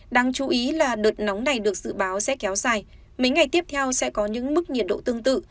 đáng chú ý là đợt nóng này được dự báo sẽ kéo dài mấy ngày tiếp theo sẽ có những mức nhiệt độ tương tự